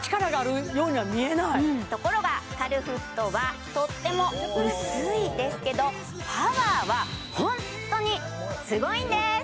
ところがカルフットはとっても薄いですけどパワーはホントにすごいんです！